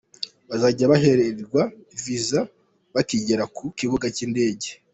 Bazajya bahererwa viza bakigera ku Kibuga cy’indege.